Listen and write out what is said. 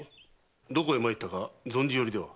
どこへ参ったか存じよりでは？